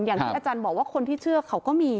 อย่างที่อาจารย์บอกว่าคนที่เชื่อเขาก็มี